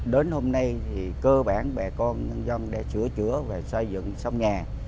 đến hôm nay thì cơ bản bà con nhân dân đã sửa chữa và xây dựng xong nhà